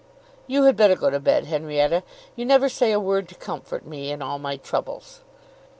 "You had better go to bed, Henrietta. You never say a word to comfort me in all my troubles."